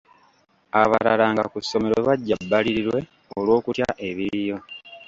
Abalala nga ku ssomero bajja bbalirirwe olw'okutya ebiriyo.